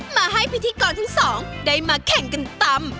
มาให้พิธีกรทั้งสองได้มาแข่งกันตำ